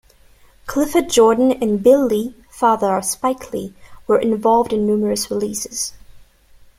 Clifford Jordan and Bill Lee, father of Spike Lee, were involved in numerous releases.